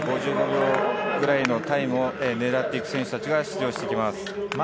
５５秒ぐらいのタイムを狙っていく選手たちが出場してきます。